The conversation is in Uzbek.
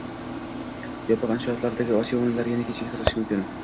Yopiq inshootlardagi Osiyo o‘yinlari yana kechiktirilishi mumkin